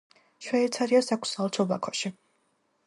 შვეიცარიას აქვს საელჩო ბაქოში.